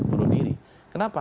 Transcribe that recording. bunuh diri kenapa